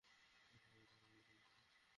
আমি খাবার চাই না, স্যার।